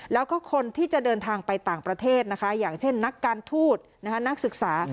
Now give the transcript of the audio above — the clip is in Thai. แล้วก็คนที่จะเดินทางไปต่างประเทศนะคะอย่างเช่นนักการทูตนักศึกษา